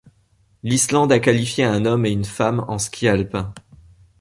L'Islande a qualifié un homme et une femme en ski alpin.